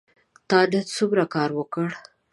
تا نن څومره کار وکړ ؟